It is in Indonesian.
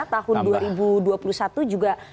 tahun dua ribu dua puluh satu juga